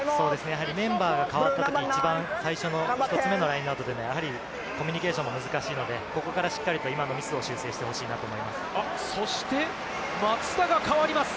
メンバーが代わった時、一番最初の１つ目のラインアウトというのは、やはりコミュニケーションも難しいので、ここからしっかり今のミスを修正してほしいそして松田が代わります。